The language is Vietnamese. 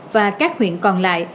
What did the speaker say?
và các huyện còn lại